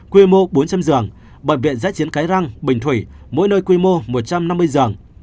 quy mô bốn trăm linh dường bệnh viện giá chiến cái răng bình thủy mỗi nơi quy mô một trăm năm mươi dường